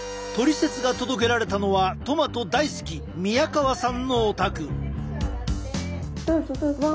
トリセツが届けられたのはトマト大好き宮川さんのお宅。